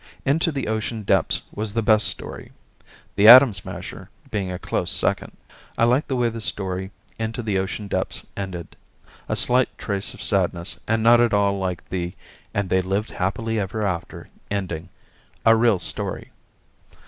"Into the Ocean Depths" was the best story, "The Atom Smasher" being a close second. I like the way the story "Into the Ocean Depths" ended; a slight trace of sadness and not at all like the "and they lived happily ever after" ending. A real story.